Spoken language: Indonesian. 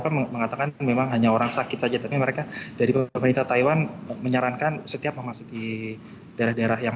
mereka memang dari who kan mengatakan memang hanya orang sakit saja tapi mereka dari pemerintah taiwan menyarankan setiap mau masuk di daerah daerah taiwan